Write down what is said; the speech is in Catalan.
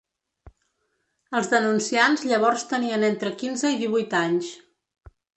Els denunciants llavors tenien entre quinze i divuit anys.